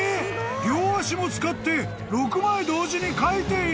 両足も使って６枚同時に描いている！？］